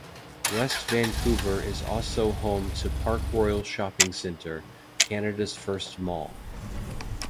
West Vancouver is also home to Park Royal Shopping Centre, Canada's first mall.